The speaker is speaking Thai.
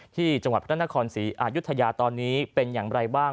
ที่จังหวัดพระนครศรีอายุทยาตอนนี้เป็นอย่างไรบ้าง